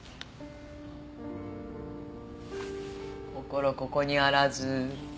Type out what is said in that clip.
心ここにあらず。